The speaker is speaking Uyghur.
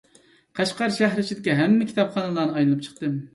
قەشقەر شەھىرى ئىچىدىكى ھەممە كىتابخانىلارنى ئايلىنىپ چىقتىم.